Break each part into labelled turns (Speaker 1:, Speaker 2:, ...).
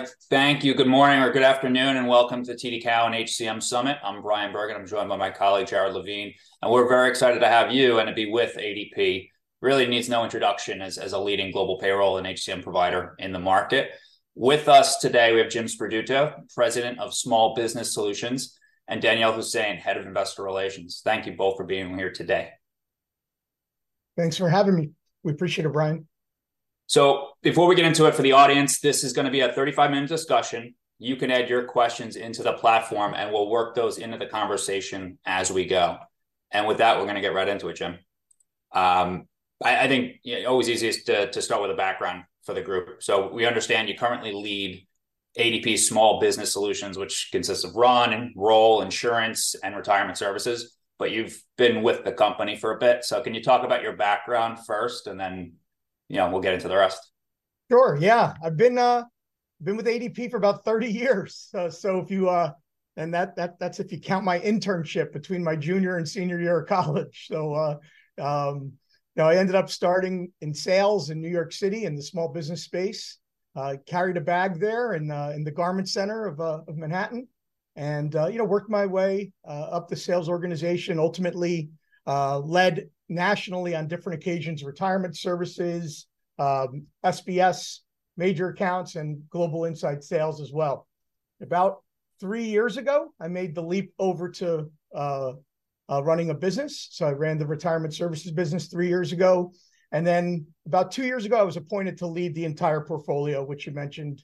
Speaker 1: All right, thank you. Good morning or good afternoon, and welcome to TD Cowen HCM Summit. I'm Bryan Bergin, I'm joined by my colleague, Jared Levine, and we're very excited to have you and to be with ADP. Really needs no introduction as a leading global payroll and HCM provider in the market. With us today, we have Jim Sperduto, President of Small Business Solutions, and Danyal Hussain, Head of Investor Relations. Thank you both for being here today.
Speaker 2: Thanks for having me. We appreciate it, Bryan.
Speaker 1: So before we get into it, for the audience, this is gonna be a 35-minute discussion. You can add your questions into the platform, and we'll work those into the conversation as we go. And with that, we're gonna get right into it, Jim. I think, you know, always easiest to start with a background for the group. So we understand you currently lead ADP Small Business Solutions, which consists of RUN, Roll, Insurance, and Retirement Services, but you've been with the company for a bit. So can you talk about your background first, and then, you know, we'll get into the rest?
Speaker 2: Sure, yeah. I've been with ADP for about 30 years. So if you... And that, that's if you count my internship between my junior and senior year of college. So, you know, I ended up starting in sales in New York City, in the small business space. Carried a bag there in the Garment Center of Manhattan, and, you know, worked my way up the sales organization. Ultimately, led nationally on different occasions, Retirement Services, SBS Major Accounts, and Global Insight sales as well. About three years ago, I made the leap over to running a business. So I ran the Retirement Services business three years ago, and then about two years ago, I was appointed to lead the entire portfolio, which you mentioned,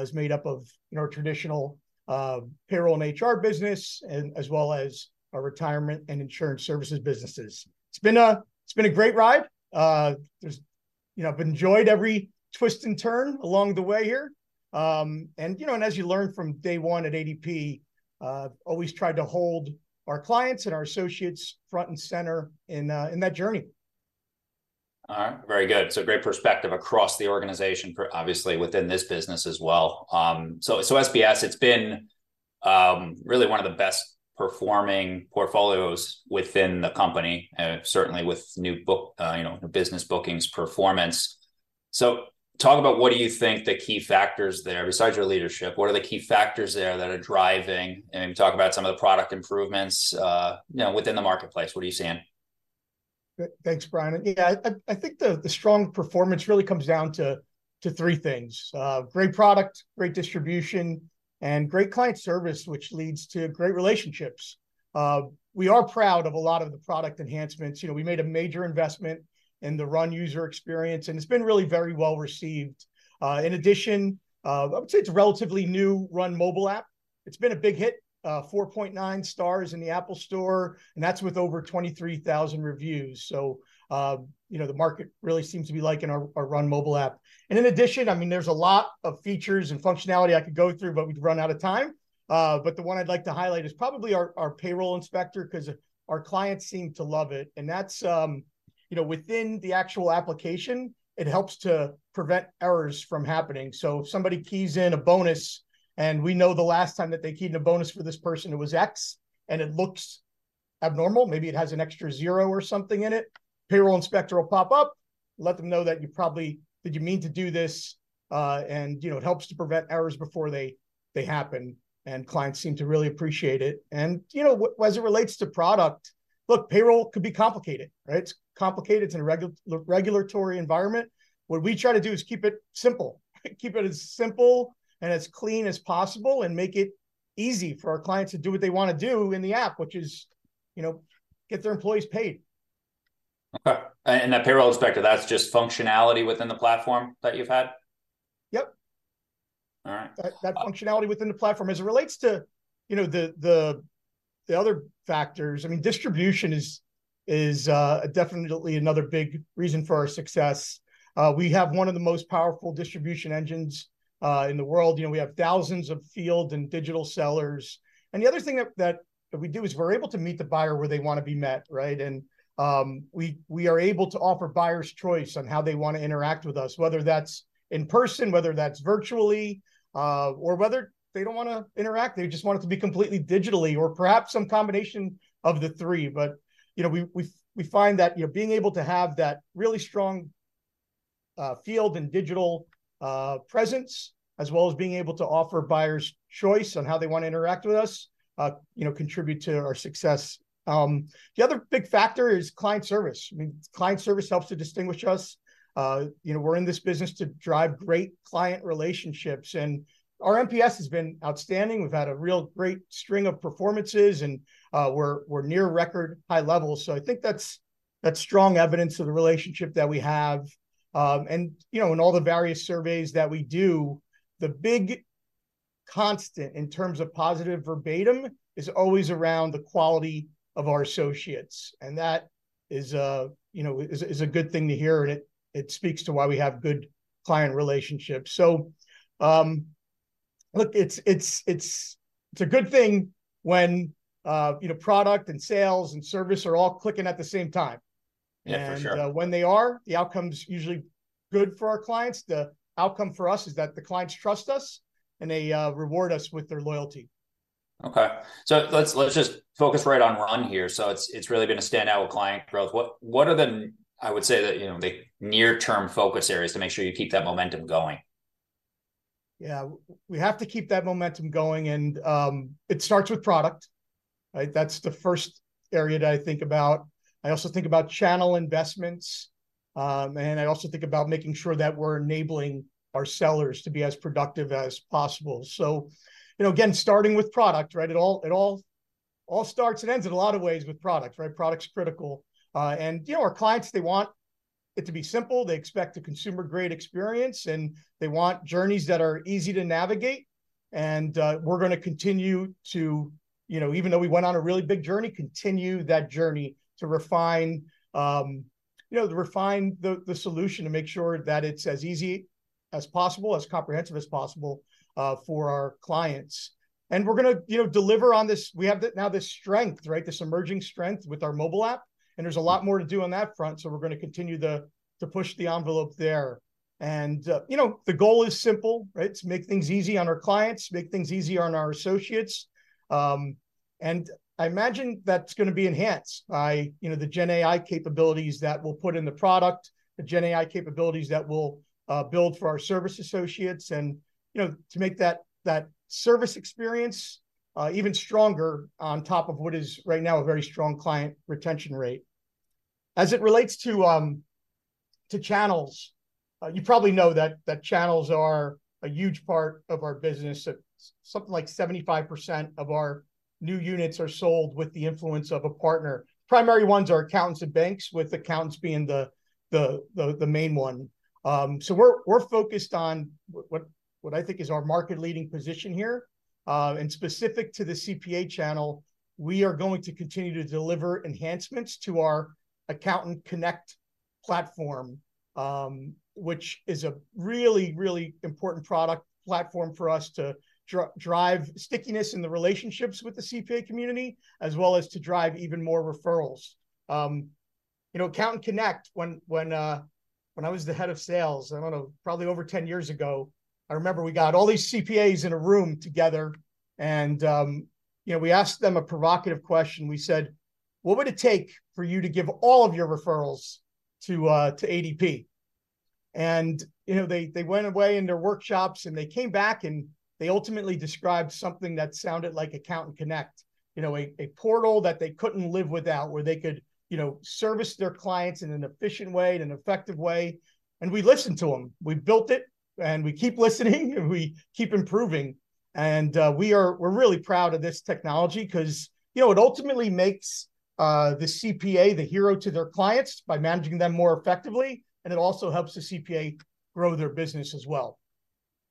Speaker 2: is made up of, you know, traditional, payroll and HR business, and as well as our Retirement and Insurance Services businesses. It's been a, it's been a great ride. You know, I've enjoyed every twist and turn along the way here. And, you know, and as you learn from day one at ADP, always tried to hold our clients and our associates front and center in, in that journey.
Speaker 1: All right, very good. So a great perspective across the organization for obviously within this business as well. So SBS, it's been really one of the best performing portfolios within the company, certainly with new book, you know, new business bookings performance. So talk about what do you think the key factors there, besides your leadership, what are the key factors there that are driving? And talk about some of the product improvements, you know, within the marketplace. What are you seeing?
Speaker 2: Thanks, Bryan. Yeah, I think the strong performance really comes down to three things: great product, great distribution, and great client service, which leads to great relationships. We are proud of a lot of the product enhancements. You know, we made a major investment in the RUN user experience, and it's been really very well received. In addition, I would say it's a relatively new RUN mobile app. It's been a big hit, 4.9 stars in the Apple Store, and that's with over 23,000 reviews. So, you know, the market really seems to be liking our RUN mobile app. And in addition, I mean, there's a lot of features and functionality I could go through, but we'd run out of time. But the one I'd like to highlight is probably our Payroll Inspector, 'cause our clients seem to love it, and that's, you know, within the actual application, it helps to prevent errors from happening. So if somebody keys in a bonus, and we know the last time that they keyed in a bonus for this person, it was X, and it looks abnormal, maybe it has an extra zero or something in it, Payroll Inspector will pop up, let them know that you probably did you mean to do this? And, you know, it helps to prevent errors before they happen, and clients seem to really appreciate it. And, you know, as it relates to product, look, payroll could be complicated, right? It's complicated in a regulatory environment. What we try to do is keep it simple, keep it as simple and as clean as possible, and make it easy for our clients to do what they want to do in the app, which is, you know, get their employees paid.
Speaker 1: Okay, and, and that Payroll Inspector, that's just functionality within the platform that you've had?
Speaker 2: Yep.
Speaker 1: All right.
Speaker 2: That functionality within the platform. As it relates to, you know, the other factors, I mean, distribution is definitely another big reason for our success. We have one of the most powerful distribution engines in the world. You know, we have thousands of field and digital sellers. And the other thing that we do is we're able to meet the buyer where they want to be met, right? And we are able to offer buyers choice on how they want to interact with us, whether that's in person, whether that's virtually, or whether they don't want to interact, they just want it to be completely digitally or perhaps some combination of the three. But, you know, we find that, you know, being able to have that really strong field and digital presence, as well as being able to offer buyers choice on how they want to interact with us, you know, contribute to our success. The other big factor is client service. I mean, client service helps to distinguish us. You know, we're in this business to drive great client relationships, and our NPS has been outstanding. We've had a real great string of performances, and we're near record high levels. So I think that's strong evidence of the relationship that we have. And, you know, in all the various surveys that we do, the big constant in terms of positive verbatim is always around the quality of our associates, and that is, you know, is a good thing to hear, and it speaks to why we have good client relationships. So, look, it's a good thing when, you know, product and sales and service are all clicking at the same time.
Speaker 1: Yeah, for sure.
Speaker 2: When they are, the outcome's usually good for our clients. The outcome for us is that the clients trust us, and they reward us with their loyalty. ...
Speaker 1: Okay, so let's just focus right on RUN here. So it's really been a standout with client growth. What are the, I would say, you know, the near-term focus areas to make sure you keep that momentum going?
Speaker 2: Yeah, we have to keep that momentum going, and it starts with product, right? That's the first area that I think about. I also think about channel investments, and I also think about making sure that we're enabling our sellers to be as productive as possible. So, you know, again, starting with product, right? It all starts and ends in a lot of ways with product, right? Product's critical. And, you know, our clients, they want it to be simple, they expect a consumer-grade experience, and they want journeys that are easy to navigate. And, we're going to continue to, you know, even though we went on a really big journey, continue that journey to refine, you know, to refine the solution to make sure that it's as easy as possible, as comprehensive as possible, for our clients. We're going to, you know, deliver on this. We have now this strength, right, this emerging strength with our mobile app, and there's a lot more to do on that front, so we're going to continue to push the envelope there. You know, the goal is simple, right? To make things easy on our clients, make things easier on our associates. I imagine that's going to be enhanced by, you know, the GenAI capabilities that we'll put in the product, the GenAI capabilities that we'll build for our service associates and, you know, to make that service experience even stronger on top of what is right now a very strong client retention rate. As it relates to channels, you probably know that channels are a huge part of our business. So something like 75% of our new units are sold with the influence of a partner. Primary ones are accountants and banks, with accountants being the main one. So we're focused on what I think is our market-leading position here. And specific to the CPA channel, we are going to continue to deliver enhancements to our Accountant Connect platform, which is a really, really important product platform for us to drive stickiness in the relationships with the CPA community, as well as to drive even more referrals. You know, Accountant Connect, when I was the head of sales, I don't know, probably over 10 years ago, I remember we got all these CPAs in a room together and, you know, we asked them a provocative question. We said: "What would it take for you to give all of your referrals to ADP?" And, you know, they went away into workshops, and they came back, and they ultimately described something that sounded like Accountant Connect. You know, a portal that they couldn't live without, where they could, you know, service their clients in an efficient way, in an effective way. And we listened to them. We built it, and we keep listening, and we keep improving. And, we're really proud of this technology, 'cause, you know, it ultimately makes the CPA the hero to their clients by managing them more effectively, and it also helps the CPA grow their business as well.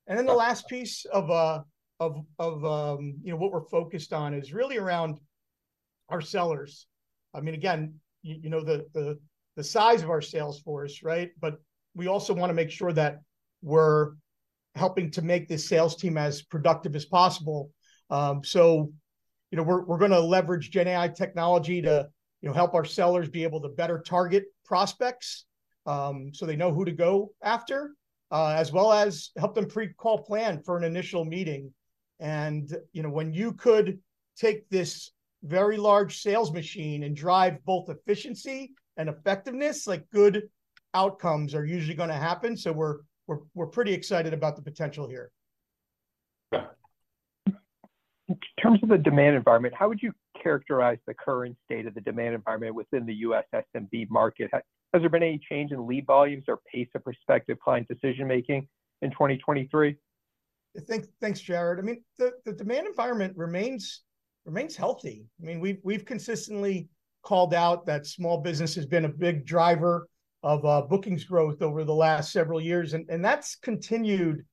Speaker 2: And then the last piece of, you know, what we're focused on is really around our sellers. I mean, again, you know, the size of our sales force, right? But we also want to make sure that we're helping to make this sales team as productive as possible. So, you know, we're going to leverage GenAI technology to, you know, help our sellers be able to better target prospects, so they know who to go after, as well as help them pre-call plan for an initial meeting. And, you know, when you could take this very large sales machine and drive both efficiency and effectiveness, like, good outcomes are usually going to happen. So we're pretty excited about the potential here.
Speaker 3: In terms of the demand environment, how would you characterize the current state of the demand environment within the U.S. SMB market? Has there been any change in lead volumes or pace of prospective client decision-making in 2023?
Speaker 2: Thanks, thanks, Jared. I mean, the demand environment remains healthy. I mean, we've consistently called out that small business has been a big driver of bookings growth over the last several years, and that's continued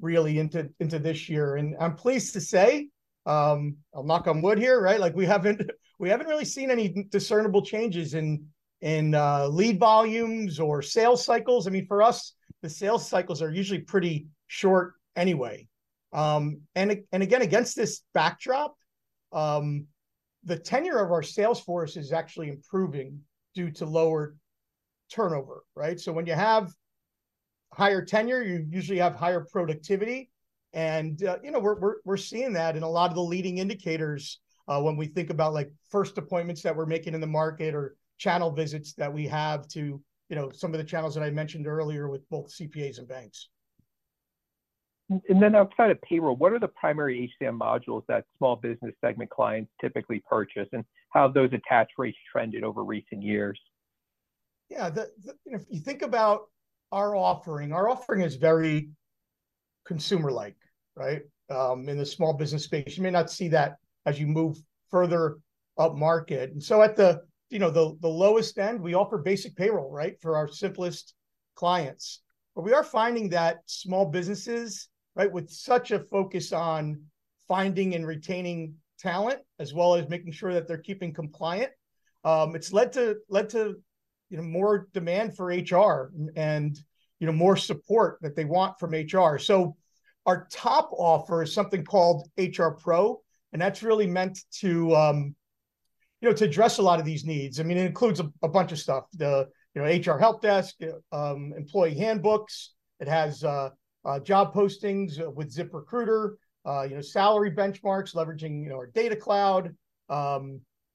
Speaker 2: really into this year. And I'm pleased to say, I'll knock on wood here, right? Like, we haven't really seen any discernible changes in lead volumes or sales cycles. I mean, for us, the sales cycles are usually pretty short anyway. And again, against this backdrop, the tenure of our sales force is actually improving due to lower turnover, right? So when you have higher tenure, you usually have higher productivity. You know, we're seeing that in a lot of the leading indicators, when we think about, like, first appointments that we're making in the market or channel visits that we have to, you know, some of the channels that I mentioned earlier with both CPAs and banks.
Speaker 3: Outside of payroll, what are the primary HCM modules that small business segment clients typically purchase, and how have those attach rates trended over recent years?
Speaker 2: Yeah, If you think about our offering, our offering is very consumer-like, right, in the small business space. You may not see that as you move further upmarket. And so at the, you know, lowest end, we offer basic payroll, right, for our simplest clients. But we are finding that small businesses, right, with such a focus on finding and retaining talent, as well as making sure that they're keeping compliant, it's led to, led to, you know, more demand for HR and, you know, more support that they want from HR. So our top offer is something called HR Pro, and that's really meant to, you know, to address a lot of these needs. I mean, it includes a bunch of stuff, you know, HR help desk, employee handbooks. It has job postings with ZipRecruiter, you know, salary benchmarks, leveraging you know, our DataCloud,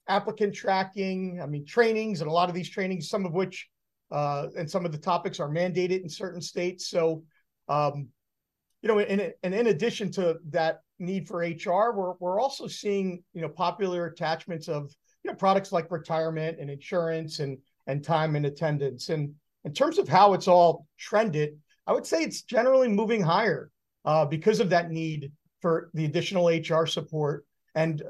Speaker 2: applicant tracking, I mean, trainings, and a lot of these trainings, some of which and some of the topics are mandated in certain states. So, you know, and in addition to that need for HR, we're also seeing you know, popular attachments of you know, products like retirement and insurance and time and attendance. And in terms of how it's all trended, I would say it's generally moving higher because of that need for the additional HR support and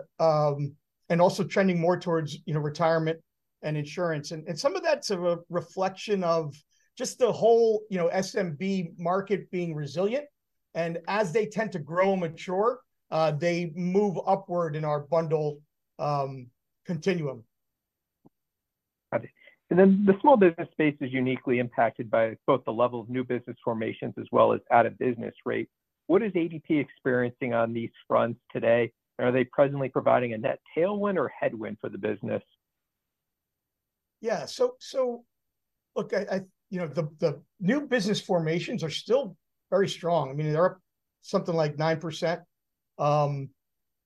Speaker 2: also trending more towards you know, retirement and insurance. And some of that's a reflection of just the whole you know, SMB market being resilient. As they tend to grow and mature, they move upward in our bundle continuum.
Speaker 3: Got it. And then the small business space is uniquely impacted by both the level of new business formations as well as out-of-business rate. What is ADP experiencing on these fronts today? Are they presently providing a net tailwind or headwind for the business?
Speaker 2: Yeah, so look, you know, the new business formations are still very strong. I mean, they're up something like 9%.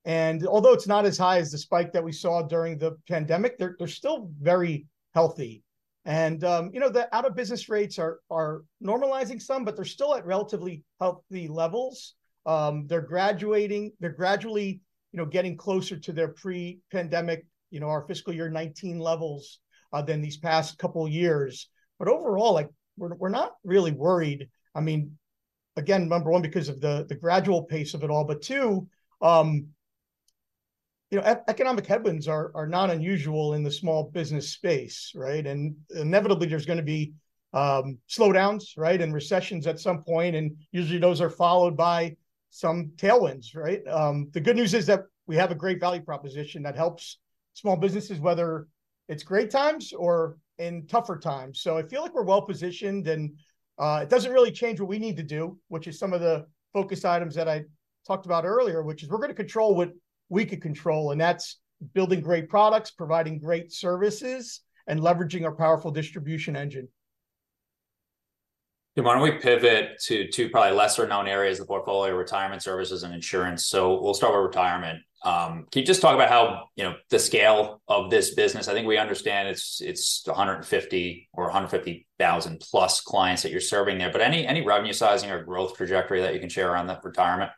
Speaker 2: And although it's not as high as the spike that we saw during the pandemic, they're still very healthy. And you know, the out-of-business rates are normalizing some, but they're still at relatively healthy levels. They're gradually, you know, getting closer to their pre-pandemic, you know, our fiscal year 2019 levels than these past couple of years. But overall, like, we're not really worried. I mean, again, number one, because of the gradual pace of it all, but two, you know, economic headwinds are not unusual in the small business space, right? Inevitably, there's going to be slowdowns, right, and recessions at some point, and usually those are followed by some tailwinds, right? The good news is that we have a great value proposition that helps small businesses, whether it's great times or in tougher times. I feel like we're well positioned, and it doesn't really change what we need to do, which is some of the focus items that I talked about earlier, which is we're going to control what we can control, and that's building great products, providing great services, and leveraging our powerful distribution engine.
Speaker 1: Why don't we pivot to two probably lesser-known areas of the portfolio, Retirement Services and insurance? We'll start with retirement. Can you just talk about how, you know, the scale of this business? I think we understand it's 150 or 150,000+ clients that you're serving there, but any, any revenue sizing or growth trajectory that you can share around that retirement?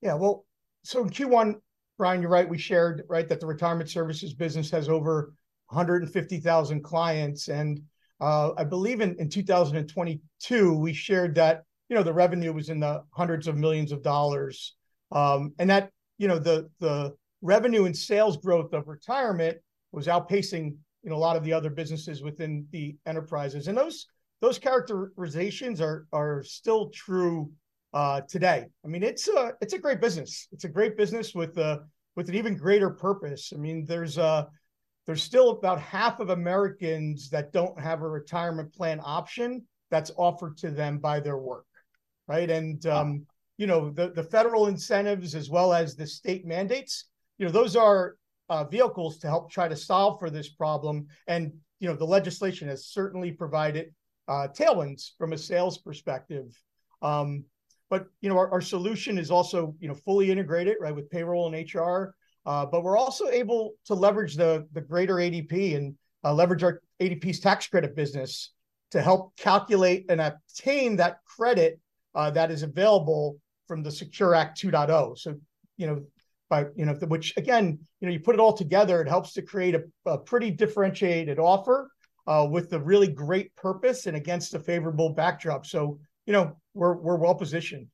Speaker 2: Yeah. Well, so in Q1, Bryan, you're right, we shared, right, that the Retirement Services business has over 150,000 clients, and I believe in, in 2022, we shared that, you know, the revenue was in the hundreds of millions of dollars. And that, you know, the, the revenue and sales growth of retirement was outpacing, you know, a lot of the other businesses within the enterprises. And those, those characterizations are, are still true, today. I mean, it's a, it's a great business. It's a great business with a, with an even greater purpose. I mean, there's still about half of Americans that don't have a retirement plan option that's offered to them by their work, right? And, you know, the federal incentives as well as the state mandates, you know, those are vehicles to help try to solve for this problem, and, you know, the legislation has certainly provided tailwinds from a sales perspective. But, you know, our solution is also, you know, fully integrated, right, with payroll and HR. But we're also able to leverage the greater ADP and leverage our ADP's tax credit business to help calculate and obtain that credit that is available from the SECURE Act 2.0. So, you know, by... You know, which again, you know, you put it all together, it helps to create a pretty differentiated offer with a really great purpose and against a favorable backdrop. So, you know, we're well positioned.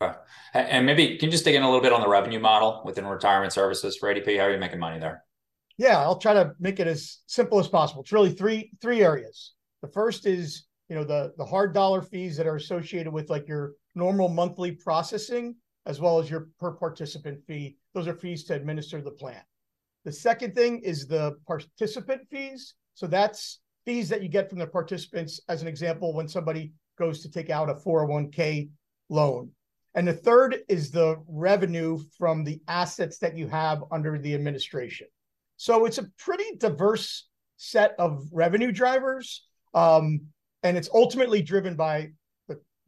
Speaker 1: Right. And, maybe can you just dig in a little bit on the revenue model within Retirement Services for ADP? How are you making money there?
Speaker 2: Yeah, I'll try to make it as simple as possible. It's really three, three areas. The first is, you know, the hard dollar fees that are associated with, like, your normal monthly processing, as well as your per-participant fee. Those are fees to administer the plan. The second thing is the participant fees, so that's fees that you get from the participants, as an example, when somebody goes to take out a 401(k) loan. And the third is the revenue from the assets that you have under the administration. So it's a pretty diverse set of revenue drivers, and it's ultimately driven by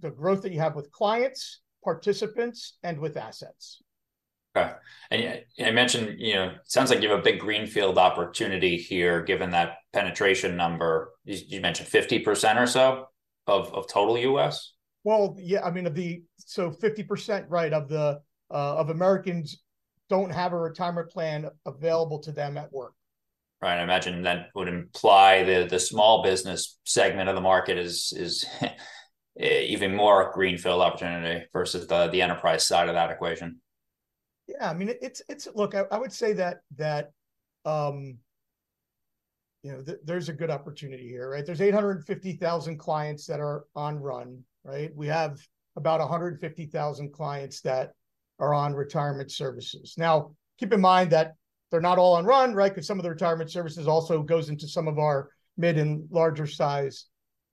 Speaker 2: the growth that you have with clients, participants, and with assets.
Speaker 1: Okay. And yeah, you mentioned... You know, sounds like you have a big greenfield opportunity here, given that penetration number. You mentioned 50% or so of total U.S.?
Speaker 2: Well, yeah, I mean, the... So 50%, right, of the, of Americans don't have a retirement plan available to them at work.
Speaker 1: Right, I imagine that would imply that the small business segment of the market is even more a greenfield opportunity versus the enterprise side of that equation.
Speaker 2: Yeah, I mean, it's... Look, I would say that there's a good opportunity here, right? There are 850,000 clients that are on RUN, right? We have about 150,000 clients that are on Retirement Services. Now, keep in mind that they're not all on RUN, right? Because some of the Retirement Services also goes into some of our mid- and larger-sized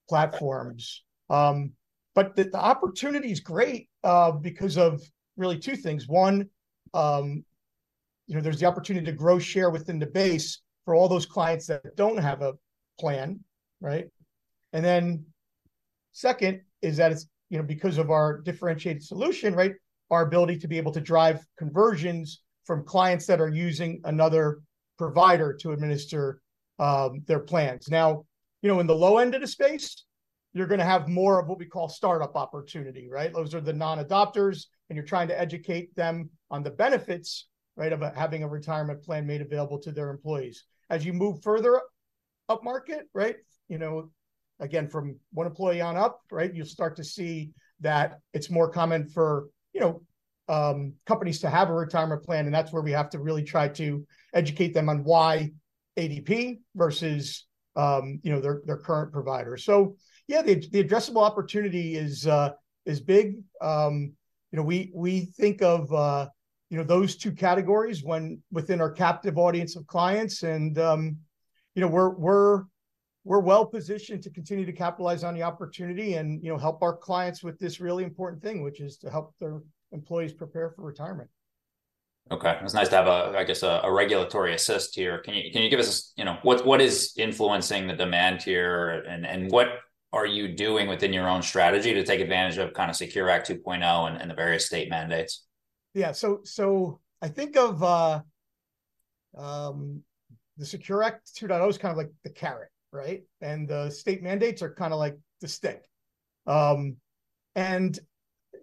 Speaker 2: platforms. But the opportunity is great because of really two things. One, you know, there's the opportunity to grow share within the base for all those clients that don't have a plan, right? And then second is that it's, you know, because of our differentiated solution, right, our ability to be able to drive conversions from clients that are using another provider to administer their plans. Now, you know, in the low end of the space, you're gonna have more of what we call startup opportunity, right? Those are the non-adopters, and you're trying to educate them on the benefits, right, about having a retirement plan made available to their employees. As you move further upmarket, right, you know, again, from one employee on up, right, you'll start to see that it's more common for, you know, companies to have a retirement plan, and that's where we have to really try to educate them on why ADP versus, you know, their current provider. So yeah, the addressable opportunity is big. You know, we think of those two categories when within our captive audience of clients and, you know, we're well-positioned to continue to capitalize on the opportunity and, you know, help our clients with this really important thing, which is to help their employees prepare for retirement.
Speaker 1: Okay. It's nice to have, I guess, a regulatory assist here. Can you give us, you know, what is influencing the demand here, and what are you doing within your own strategy to take advantage of kind of SECURE Act 2.0 and the various state mandates?
Speaker 2: Yeah, so, so I think of, the SECURE Act 2.0 as kind of like the carrot, right? And the state mandates are kind of like the stick. And,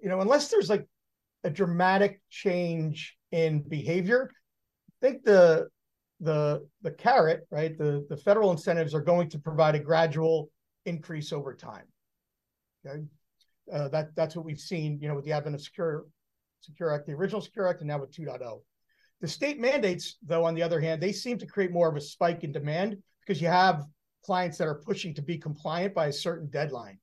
Speaker 2: you know, unless there's, like, a dramatic change in behavior, I think the, the, the carrot, right, the, the federal incentives are going to provide a gradual increase over time. Okay? That's what we've seen, you know, with the advent of SECURE, SECURE Act, the original SECURE Act, and now with 2.0. The state mandates, though, on the other hand, they seem to create more of a spike in demand because you have clients that are pushing to be compliant by a certain deadline.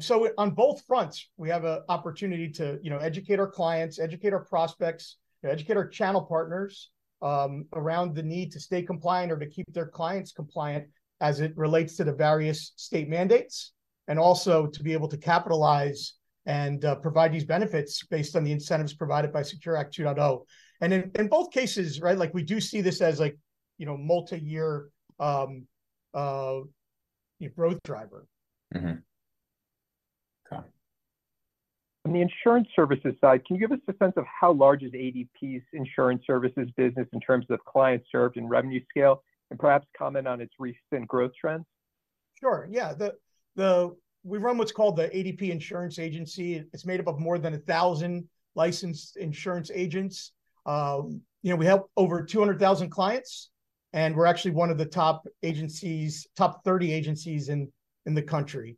Speaker 2: So on both fronts, we have a opportunity to, you know, educate our clients, educate our prospects, educate our channel partners, around the need to stay compliant or to keep their clients compliant as it relates to the various state mandates, and also to be able to capitalize and provide these benefits based on the incentives provided by SECURE Act 2.0. In both cases, right, like, we do see this as like, you know, multi-year growth driver.
Speaker 1: Mm-hmm. Okay.
Speaker 3: On the insurance services side, can you give us a sense of how large is ADP's insurance services business in terms of clients served and revenue scale, and perhaps comment on its recent growth trends?
Speaker 2: Sure, yeah. We run what's called the ADP Insurance Agency. It's made up of more than 1,000 licensed insurance agents. You know, we help over 200,000 clients, and we're actually one of the top agencies, top 30 agencies in the country.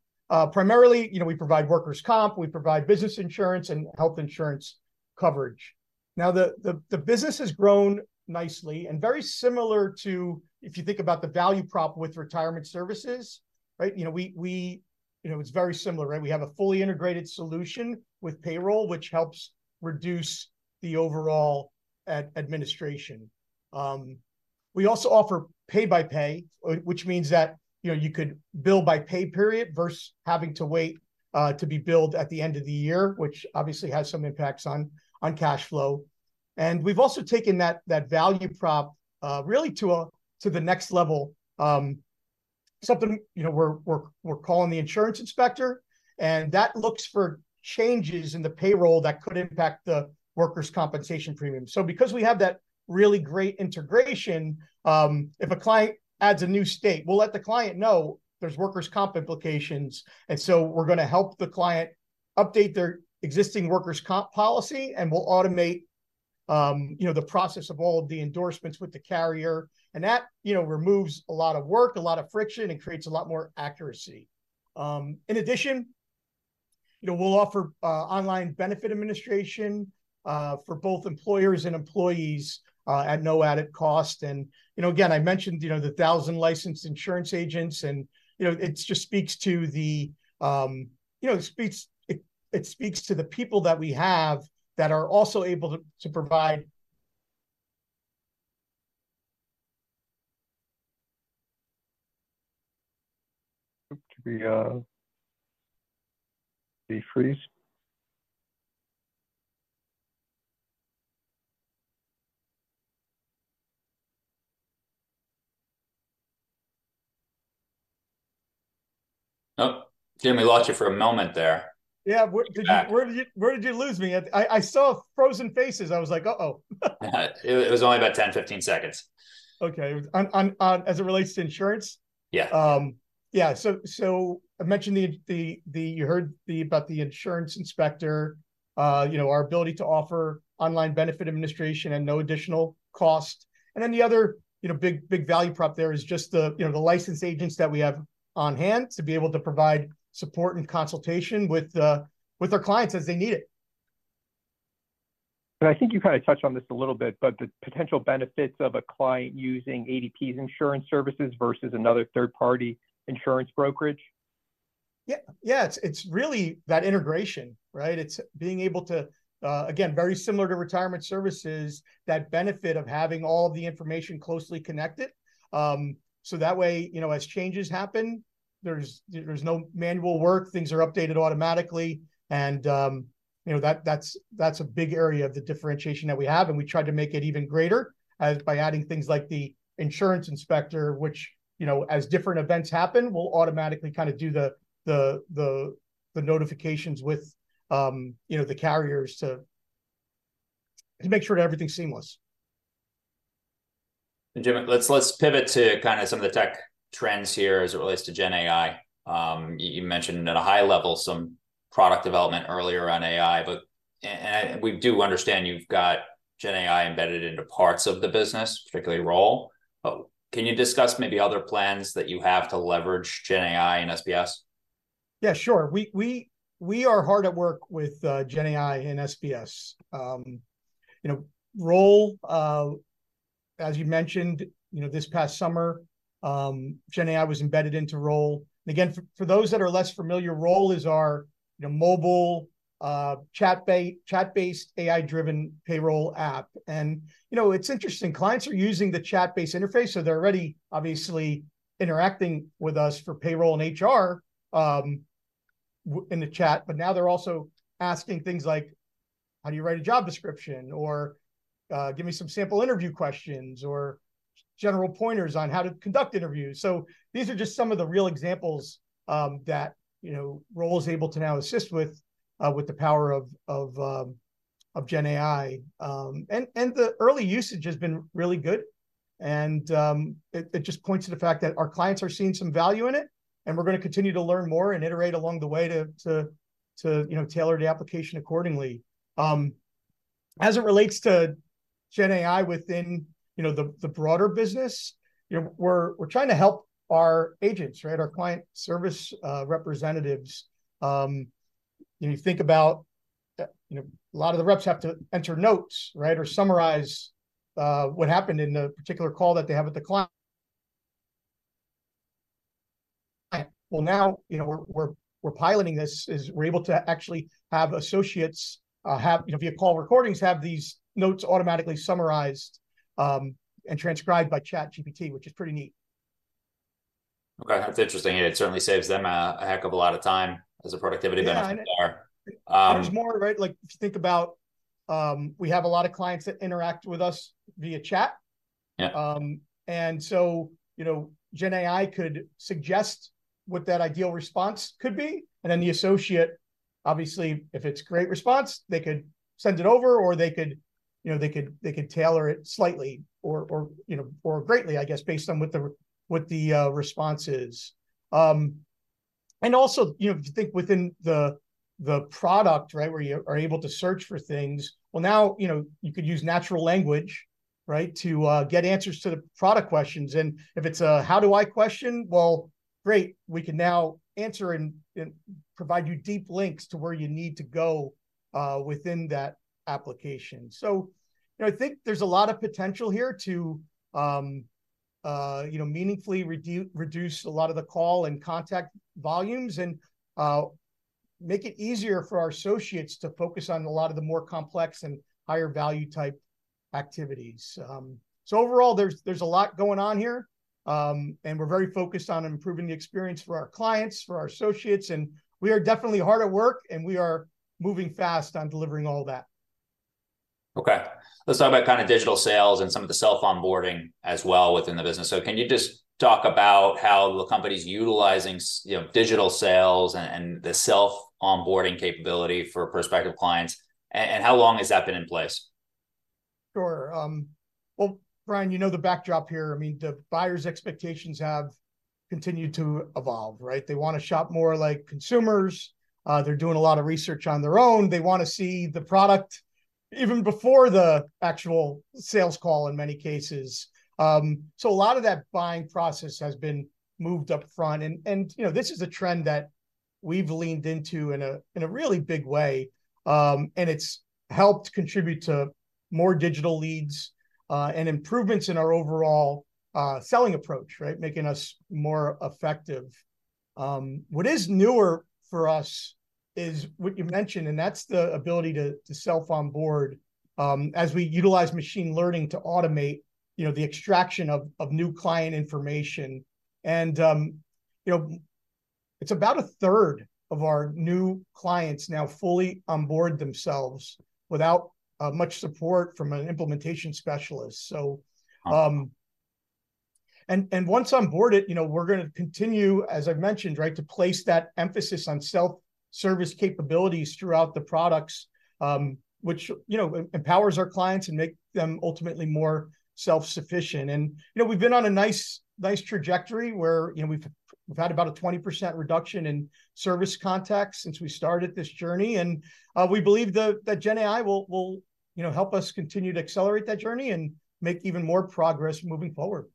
Speaker 2: Primarily, you know, we provide workers' comp, we provide business insurance and health insurance coverage. Now, the business has grown nicely, and very similar to if you think about the value prop with Retirement Services, right? You know, it's very similar, right? We have a fully integrated solution with payroll, which helps reduce the overall administration. We also offer Pay-by-Pay, which means that, you know, you could bill by pay period versus having to wait to be billed at the end of the year, which obviously has some impacts on cash flow. And we've also taken that value prop really to the next level, something you know we're calling the Insurance Inspector, and that looks for changes in the payroll that could impact the workers' compensation premium. So because we have that really great integration, if a client adds a new state, we'll let the client know there's workers' comp implications, and so we're gonna help the client update their existing workers' comp policy, and we'll automate you know the process of all of the endorsements with the carrier. And that you know removes a lot of work, a lot of friction, and creates a lot more accuracy. In addition, you know, we'll offer online benefit administration for both employers and employees at no added cost. You know, again, I mentioned, you know, the 1,000 licensed insurance agents and, you know, it just speaks to the, you know, it speaks to the people that we have that are also able to provide-
Speaker 3: To be defrosted.
Speaker 1: Oh, Jim, we lost you for a moment there.
Speaker 2: Yeah. Where did you-
Speaker 1: Back.
Speaker 2: Where did you lose me? I saw frozen faces. I was like, "Uh-oh!
Speaker 1: It was only about 10-15 seconds.
Speaker 2: Okay. On... As it relates to insurance?
Speaker 1: Yeah.
Speaker 2: Yeah, so I mentioned the – you heard about the Insurance Inspector, you know, our ability to offer online benefit administration at no additional cost. And then the other, you know, big value prop there is just the, you know, the licensed agents that we have on hand to be able to provide support and consultation with our clients as they need it.
Speaker 3: I think you kind of touched on this a little bit, but the potential benefits of a client using ADP's insurance services versus another third-party insurance brokerage?...
Speaker 2: Yeah, yeah, it's, it's really that integration, right? It's being able to, again, very similar to Retirement Services, that benefit of having all the information closely connected. So that way, you know, as changes happen, there's, there's no manual work, things are updated automatically. And, you know, that, that's, that's a big area of the differentiation that we have, and we try to make it even greater, as by adding things like the Insurance Inspector, which, you know, as different events happen, will automatically kind of do the, the, the, the notifications with, you know, the carriers to, to make sure that everything's seamless.
Speaker 1: And Jim, let's pivot to kind of some of the tech trends here as it relates to GenAI. You mentioned at a high level some product development earlier on AI, but and we do understand you've got GenAI embedded into parts of the business, particularly Roll. Can you discuss maybe other plans that you have to leverage GenAI and SBS?
Speaker 2: Yeah, sure. We are hard at work with GenAI and SBS. You know, Roll, as you mentioned, you know, this past summer, GenAI was embedded into Roll. Again, for those that are less familiar, Roll is our mobile chat-based AI-driven payroll app. And, you know, it's interesting, clients are using the chat-based interface, so they're already obviously interacting with us for payroll and HR in the chat, but now they're also asking things like, "How do you write a job description?" Or, "Give me some sample interview questions," or general pointers on how to conduct interviews. So these are just some of the real examples that you know, Roll is able to now assist with, with the power of GenAI. And the early usage has been really good, and it just points to the fact that our clients are seeing some value in it, and we're going to continue to learn more and iterate along the way to you know, tailor the application accordingly. As it relates to GenAI within you know, the broader business, you know, we're trying to help our agents, right, our client-service representatives. You think about you know, a lot of the reps have to enter notes, right? Or summarize what happened in a particular call that they have with the client. Well, now, you know, we're piloting this, is we're able to actually have associates have you know, via call recordings, have these notes automatically summarized and transcribed by ChatGPT, which is pretty neat.
Speaker 1: Okay, that's interesting, and it certainly saves them a heck of a lot of time as a productivity benefit for HR.
Speaker 2: Yeah, there's more, right, like, if you think about, we have a lot of clients that interact with us via chat.
Speaker 1: Yeah.
Speaker 2: And so, you know, GenAI could suggest what that ideal response could be, and then the associate, obviously, if it's a great response, they could send it over, or they could, you know, they could tailor it slightly or, or, you know, or greatly, I guess, based on what the response is. And also, you know, if you think within the product, right, where you are able to search for things, well, now, you know, you could use natural language, right, to get answers to the product questions. And if it's a how do I question, well, great, we can now answer and provide you deep links to where you need to go within that application. So, you know, I think there's a lot of potential here to, you know, meaningfully reduce a lot of the call and contact volumes, and make it easier for our associates to focus on a lot of the more complex and higher value-type activities. So overall, there's a lot going on here, and we're very focused on improving the experience for our clients, for our associates, and we are definitely hard at work, and we are moving fast on delivering all that.
Speaker 1: Okay. Let's talk about kind of digital sales and some of the self-onboarding as well within the business. So can you just talk about how the company's utilizing, you know, digital sales and the self-onboarding capability for prospective clients, and how long has that been in place?
Speaker 2: Sure. Well, Bryan, you know the backdrop here. I mean, the buyers' expectations have continued to evolve, right? They want to shop more like consumers. They're doing a lot of research on their own. They want to see the product even before the actual sales call, in many cases. So a lot of that buying process has been moved up front, and, you know, this is a trend that we've leaned into in a really big way. And it's helped contribute to more digital leads, and improvements in our overall, selling approach, right? Making us more effective. What is newer for us is what you mentioned, and that's the ability to self-onboard, as we utilize machine learning to automate, you know, the extraction of new client information. And, you know, it's about a third of our new clients now fully onboard themselves without much support from an implementation specialist. So, once onboarded, you know, we're going to continue, as I've mentioned, right, to place that emphasis on self-service capabilities throughout the products, which, you know, empowers our clients and make them ultimately more self-sufficient. And, you know, we've been on a nice, nice trajectory, where, you know, we've, we've had about a 20% reduction in service contacts since we started this journey, and we believe that GenAI will, you know, help us continue to accelerate that journey and make even more progress moving forward.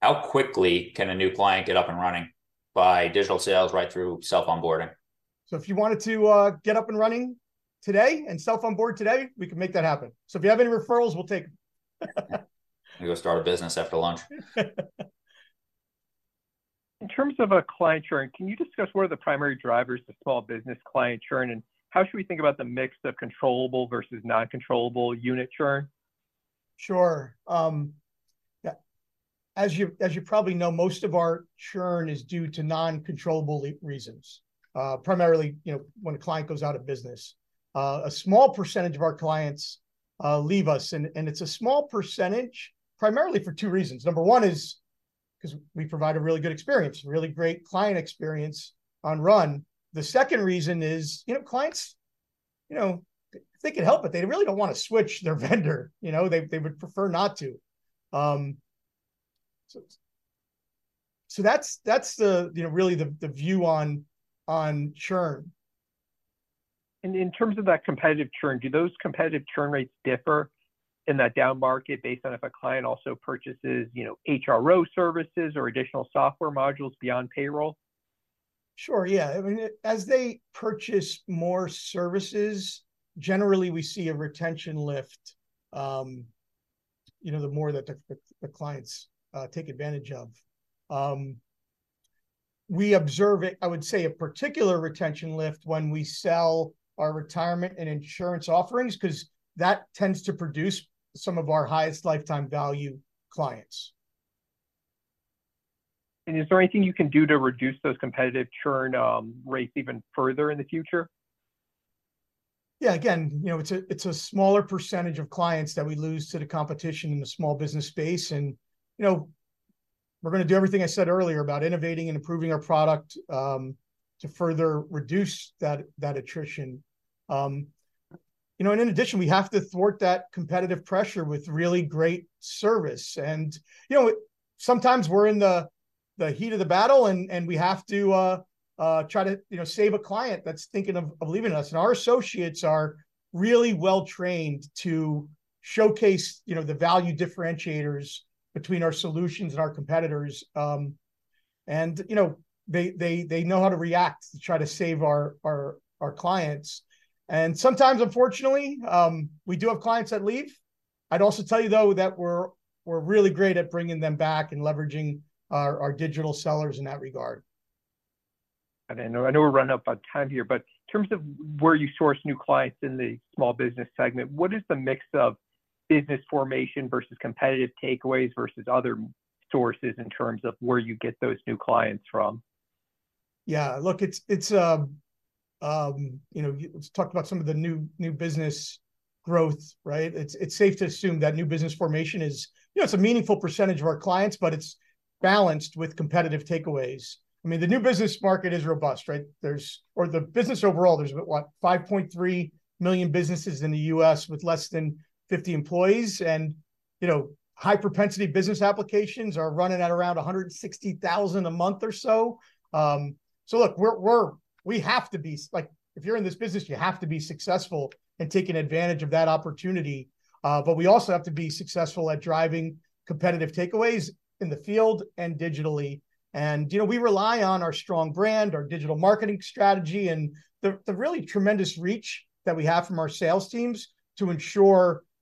Speaker 1: How quickly can a new client get up and running by digital sales right through self-onboarding?...
Speaker 2: So if you wanted to, get up and running today, and self-onboard today, we can make that happen. So if you have any referrals, we'll take them.
Speaker 1: I'm gonna go start a business after lunch.
Speaker 3: In terms of a client churn, can you discuss what are the primary drivers to small business client churn, and how should we think about the mix of controllable versus non-controllable unit churn?
Speaker 2: Sure. Yeah, as you, as you probably know, most of our churn is due to non-controllable reasons. Primarily, you know, when a client goes out-of-business. A small percentage of our clients leave us, and it's a small percentage primarily for two reasons. Number one is, 'cause we provide a really good experience, really great client experience on RUN. The second reason is, you know, clients, you know, they could help, but they really don't want to switch their vendor, you know? They would prefer not to. So, that's the view on churn.
Speaker 3: In terms of that competitive churn, do those competitive churn rates differ in that down market based on if a client also purchases, you know, HRO services or additional software modules beyond payroll?
Speaker 2: Sure, yeah. I mean, as they purchase more services, generally we see a retention lift, you know, the more that the clients take advantage of. We observe it... I would say a particular retention lift when we sell our retirement and insurance offerings, 'cause that tends to produce some of our highest lifetime value clients.
Speaker 3: Is there anything you can do to reduce those competitive churn rates even further in the future?
Speaker 2: Yeah, again, you know, it's a smaller percentage of clients that we lose to the competition in the small business space, and, you know, we're gonna do everything I said earlier about innovating and improving our product, to further reduce that attrition. You know, and in addition, we have to thwart that competitive pressure with really great service. And, you know, sometimes we're in the heat of the battle, and we have to try to, you know, save a client that's thinking of leaving us. And our associates are really well-trained to showcase, you know, the value differentiators between our solutions and our competitors. And, you know, they know how to react to try to save our clients. And sometimes, unfortunately, we do have clients that leave. I'd also tell you, though, that we're really great at bringing them back and leveraging our digital sellers in that regard.
Speaker 3: I know, I know we're running up on time here, but in terms of where you source new clients in the small business segment, what is the mix of business formation versus competitive takeaways versus other sources in terms of where you get those new clients from?
Speaker 2: Yeah, look, it's you know... Let's talk about some of the new business growth, right? It's safe to assume that new business formation is you know, it's a meaningful percentage of our clients, but it's balanced with competitive takeaways. I mean, the new business market is robust, right? There's... Or the business overall, there's what, 5.3 million businesses in the U.S. with less than 50 employees, and you know, high-propensity business applications are running at around 160,000 a month or so. So look, we're we have to be like, if you're in this business, you have to be successful in taking advantage of that opportunity. But we also have to be successful at driving competitive takeaways in the field and digitally. You know, we rely on our strong brand, our digital marketing strategy, and the really tremendous reach that we have from our sales teams to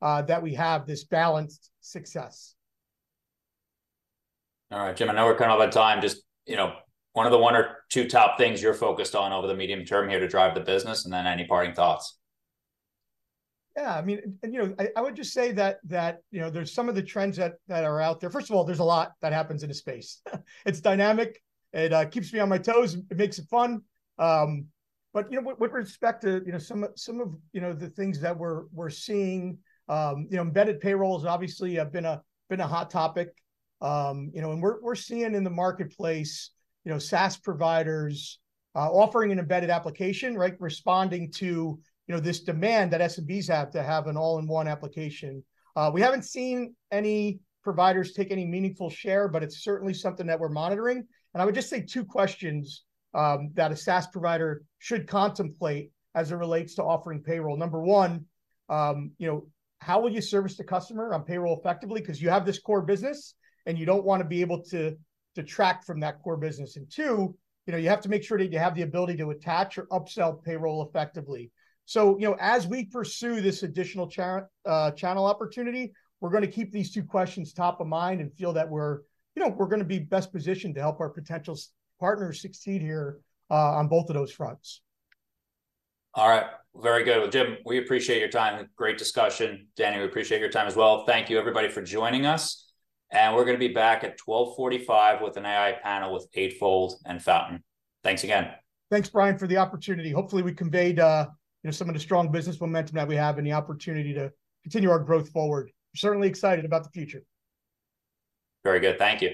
Speaker 2: ensure that we have this balanced success.
Speaker 1: All right, Jim, I know we're kind of out of time. Just, you know, one of the one or two top things you're focused on over the medium-term here to drive the business, and then any parting thoughts.
Speaker 2: Yeah, I mean, you know, I would just say that, you know, there's some of the trends that are out there. First of all, there's a lot that happens in a space. It's dynamic, it keeps me on my toes, it makes it fun. But, you know, with respect to, you know, some of, you know, the things that we're seeing, you know, embedded payrolls obviously have been a hot topic. You know, and we're seeing in the marketplace, you know, SaaS providers offering an embedded application, right? Responding to, you know, this demand that SMBs have to have an all-in-one application. We haven't seen any providers take any meaningful share, but it's certainly something that we're monitoring. And I would just say two questions that a SaaS provider should contemplate as it relates to offering payroll. Number one, you know, how will you service the customer on payroll effectively? 'Cause you have this core business, and you don't want to be able to detract from that core business. And two, you know, you have to make sure that you have the ability to attach or upsell payroll effectively. So, you know, as we pursue this additional channel opportunity, we're gonna keep these two questions top of mind and feel that we're, you know, we're gonna be best positioned to help our potential partners succeed here on both of those fronts.
Speaker 1: All right. Very good. Well, Jim, we appreciate your time, and great discussion. Danny, we appreciate your time as well. Thank you, everybody, for joining us, and we're gonna be back at 12:45 P.M. with an AI panel with Eightfold and Fountain. Thanks again.
Speaker 2: Thanks, Bryan, for the opportunity. Hopefully, we conveyed, you know, some of the strong business momentum that we have and the opportunity to continue our growth forward. Certainly excited about the future.
Speaker 1: Very good. Thank you.